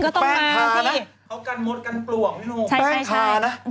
เขากันมดกันปล่วงพี่หนู